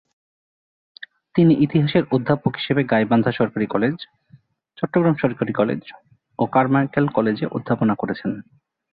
তিনি ইতিহাসের অধ্যাপক হিসেবে গাইবান্ধা সরকারি কলেজ, চট্টগ্রাম সরকারি কলেজ ও কারমাইকেল কলেজে অধ্যাপনা করেছেন।